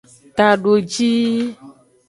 Tadojii.